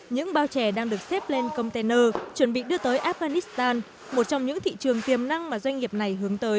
những bao chè đang được xếp lên container chuẩn bị đưa tới afghanistan một trong những thị trường tiềm năng mà doanh nghiệp này hướng tới